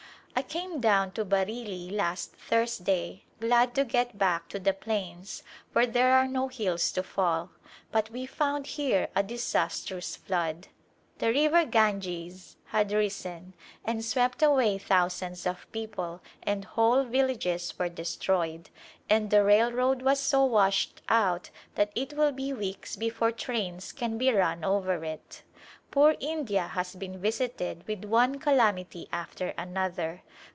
I came down to Bareilly last Thursday, glad to get back to the plains where there are no hills to fall. But we found here a disastrous flood. The river Ganges had risen and swept away thousands of peo ple and whole villages were destroyed, and the railroad was so washed out that it will be weeks before trains can be run over it. Poor India has been visited with one calamity after another.